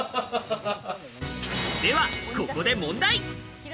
では、ここで問題。